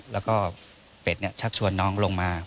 แล้วก็เป็ดชักชวนน้องลงมา